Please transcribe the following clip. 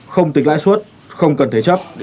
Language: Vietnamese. không tính lãi suất không cần thế chấp